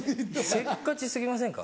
せっかち過ぎませんか？